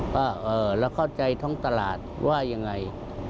และเข้าใจทั้งตลาดว่ายังไง